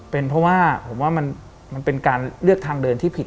เป็นเพราะว่าผมว่ามันเป็นการเลือกทางเดินที่ผิด